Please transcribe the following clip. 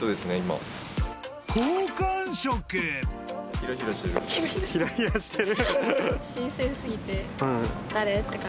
ヒラヒラしてる！